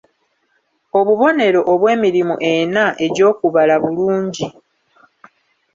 Obubonero obw'emirimu ena egy'okubala bulungi.